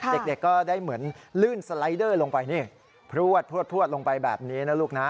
เด็กก็ได้เหมือนลื่นสไลเดอร์ลงไปนี่พลวดลงไปแบบนี้นะลูกนะ